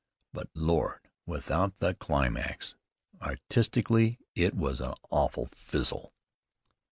But, Lord! Without the climax! Artistically, it was an awful fizzle."